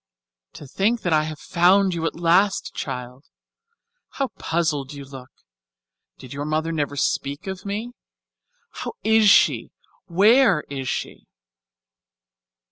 "To think that I have found you at last, child. How puzzled you look. Did your mother never speak of me? How is she? Where is she?"